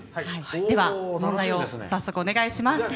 問題を早速、お願いします。